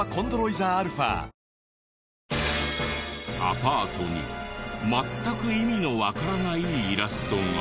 アパートに全く意味のわからないイラストが。